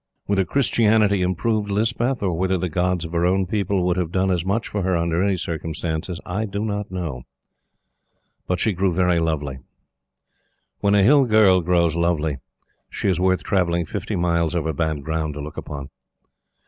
Whether Christianity improved Lispeth, or whether the gods of her own people would have done as much for her under any circumstances, I do not know; but she grew very lovely. When a Hill girl grows lovely, she is worth traveling fifty miles over bad ground to look upon.